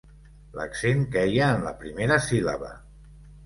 L'accent queia en la primera síl·laba.